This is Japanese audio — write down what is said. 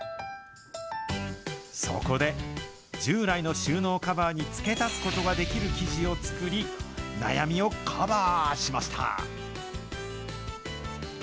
そこで、従来の収納カバーに付け足すことができる生地を作り、悩みをカバーしました。